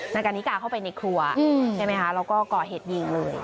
กันนิกาเข้าไปในครัวใช่ไหมคะแล้วก็ก่อเหตุยิงเลย